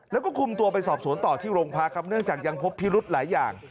แล้วก็คุมตัวไปสอบสวนต่อที่โรงพักครับเนื่องจากยังพบพิรุธหลายอย่าง